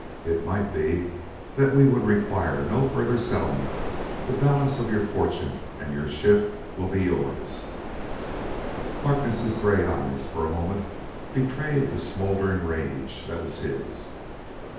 "It might be that we would require no further settlement. The balance of your fortune and your ship will be yours." Harkness' gray eyes, for a moment, betrayed the smouldering rage that was his.